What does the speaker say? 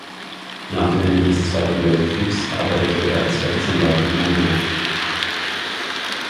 Nach dem Ende des Zweiten Weltkrieges arbeitete er als Rechtsanwalt in Hamburg.